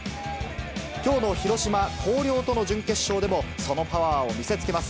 きょうの広島・広陵との準決勝でも、そのパワーを見せつけます。